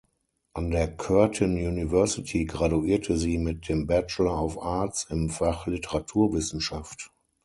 An der Curtin University graduierte sie mit dem Bachelor of Arts im Fach Literaturwissenschaft.